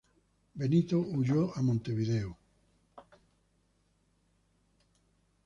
Benito huyó a Montevideo.